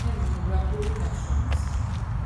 ავტორია რამდენიმე მონოგრაფიული ნაშრომისა.